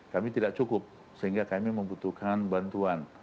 kami tidak cukup sehingga kami membutuhkan bantuan